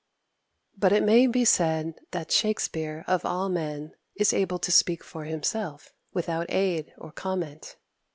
10. But it may be said that Shakspere, of all men, is able to speak for himself without aid or comment.